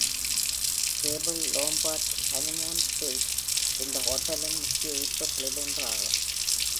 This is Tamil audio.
கேபிள்-லோம்பார்ட் ஹனிமூன் சூயிட் இந்த ஹோட்டலின் முக்கிய ஈர்ப்புகளில் ஒன்றாகும்.